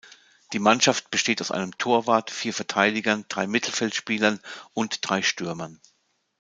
Die Mannschaft besteht aus einem Torwart, vier Verteidigern, drei Mittelfeldspielern und drei Stürmern.